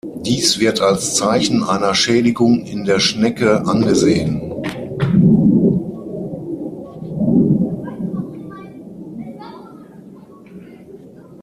Dies wird als Zeichen einer Schädigung in der Schnecke angesehen.